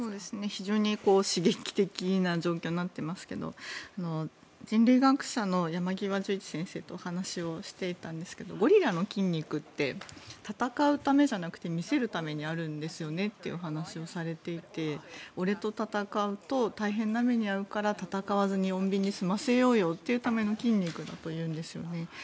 非常に刺激的な状況になっていますが人類学者のヤマギワ先生とお話をしていたんですがゴリラの筋肉って戦うためじゃなくて見せるためにあるんですよねという話をされていて俺と戦うと大変な目に遭うから戦わずに穏便に済ませようというための筋肉だというんですよね。